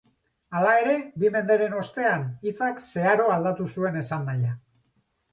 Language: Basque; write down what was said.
Hala ere, bi menderen ostean, hitzak zeharo aldatu zuen esanahia.